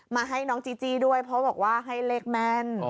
บ้าเกณฑี่อะไรฮะ